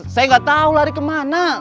saya gak tau lari kemana